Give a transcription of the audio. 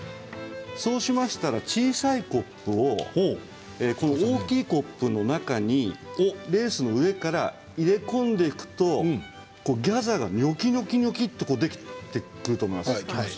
そうしましたら小さいコップを大きいコップの中にレースの上から入れ込んでいくとギャザーが、にょきにょきっとできてくると思います。